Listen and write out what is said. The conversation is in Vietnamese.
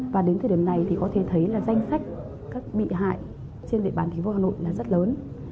và đến thời điểm này thì có thể thấy là danh sách các bị hại trên địa bàn thành phố hà nội là rất lớn